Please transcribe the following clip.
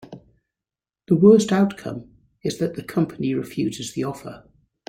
The worst outcome is that the company refuses the offer.